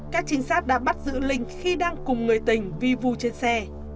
các trinh sát đã bắt giữ linh khi đang cùng người tình vi vu trên xe